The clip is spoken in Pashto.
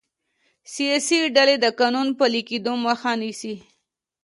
سیاسي ډلې د قانون پلي کیدو مخه نیسي